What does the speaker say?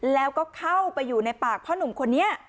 แล้วก็เข้าไปอยู่ในปากพ่อหนุ่มคนนี้